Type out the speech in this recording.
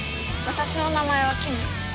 私の名前はキミ。